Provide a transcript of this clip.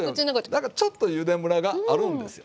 だからちょっとゆでムラがあるんですよ。